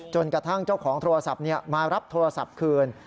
กระทั่งเจ้าของโทรศัพท์มารับโทรศัพท์คืน